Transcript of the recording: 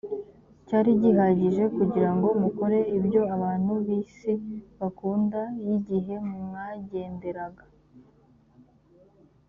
cyari gihagije kugira ngo mukore ibyo abantu b isi bakunda y igihe mwagenderaga